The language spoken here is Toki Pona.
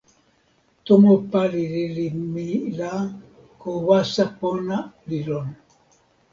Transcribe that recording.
tomo pali lili mi la ko waso pona li lon.